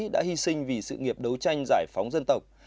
đã hy sinh vì sự nghiệp đấu tranh giải phóng dân tộc